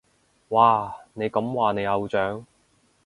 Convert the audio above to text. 哇，你咁話你偶像？